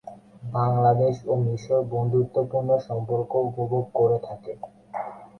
বাংলাদেশ ও মিশর বন্ধুত্বপূর্ণ সম্পর্ক উপভোগ করে থাকে।